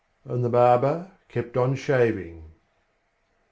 And the barber kept on shaving.